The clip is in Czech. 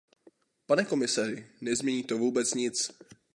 Pane komisaři, nezmění to vůbec nic.